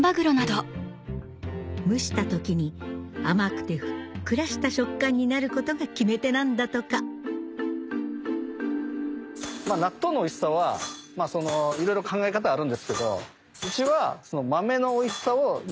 蒸した時に甘くてふっくらした食感になることが決め手なんだとか納豆のおいしさはいろいろ考え方はあるんですけどうちは。